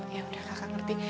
ya udah kakak ngerti